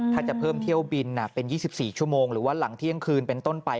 ถ้าจะเพิ่มเที่ยวบินเป็น๒๔ชั่วโมงหรือว่าหลังเที่ยงคืนเป็นต้นไป